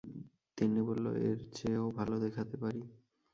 তিন্নি বলল, এর চেয়েও ভালো দেখাতে পারি।